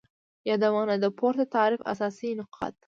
یادونه : د پورته تعریف اساسی نقاط